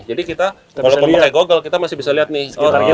jadi kita kalau pakai google kita masih bisa lihat nih